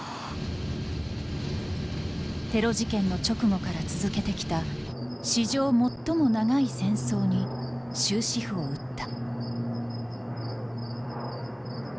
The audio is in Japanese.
テロ事件の直後から続けてきた「史上最も長い戦争」に終止符を打った。